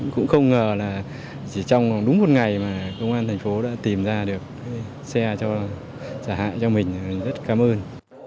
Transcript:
cũng không ngờ là chỉ trong đúng một ngày mà công an thành phố đã tìm ra được xe trả hại cho mình rất cảm ơn